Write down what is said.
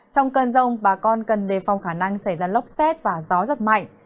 trong cơn rông bà con cần đề phòng khả năng xảy ra lốc xét và gió giật mạnh